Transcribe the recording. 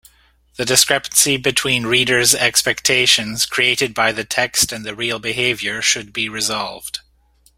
The discrepancy between reader’s expectations created by the text and the real behaviour should be resolved.